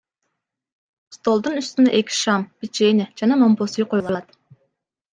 Столдун үстүнө эки шам, печенье жана момпосуй коюлат.